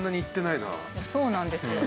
そうなんですよ